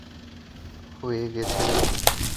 হয়ে গেছে রে!